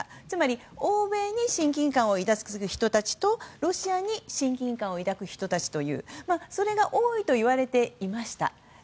つまり欧米に親近感を抱く人たちとロシアに親近感を抱く人たちというそれが多いといわれていました。